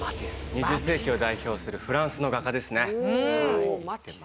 ２０世紀を代表するフランスの画家ですね。